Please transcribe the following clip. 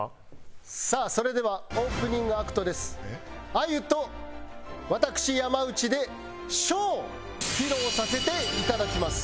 あゆと私山内で書を披露させていただきます。